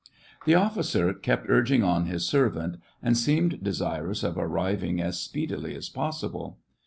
The officer kept urging on his servant, and seemed desirous of arriving as speedily as possi ble.